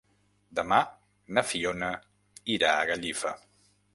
Demà na Fiona irà a Gallifa.